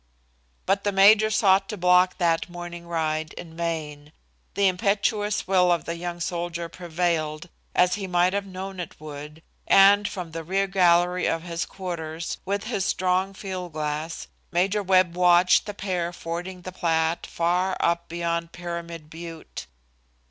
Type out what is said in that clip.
But the major sought to block that morning ride in vain. The impetuous will of the younger soldier prevailed, as he might have known it would, and from the rear gallery of his quarters, with his strong fieldglass, Major Webb watched the pair fording the Platte far up beyond Pyramid Butte.